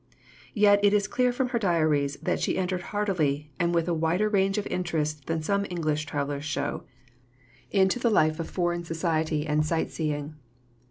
Yet it is clear from her diaries that she entered heartily, and with a wider range of interest than some English travellers show, into the life of foreign society and sight seeing.